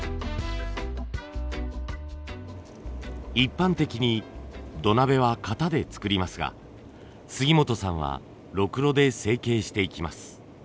一般的に土鍋は型で作りますが杉本さんはろくろで成形していきます。